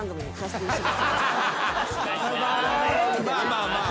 まあまあまあまあ。